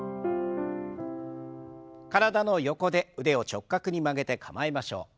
体の横で腕を直角に曲げて構えましょう。